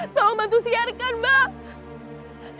tolong bantu siarkan mbak